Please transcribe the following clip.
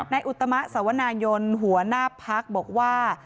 อุตมะสวนายนหัวหน้าพักบอกว่า